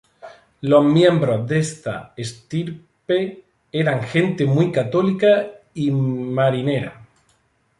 Los miembros de esta estirpe eran gente muy católica y marinera.